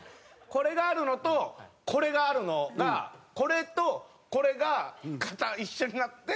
これがあるのとこれがあるのがこれとこれが一緒になって。